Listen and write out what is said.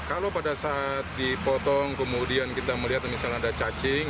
kalau pada saat dipotong kemudian kita melihat misalnya ada cacing